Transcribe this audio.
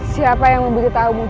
siapa yang memberitahu mu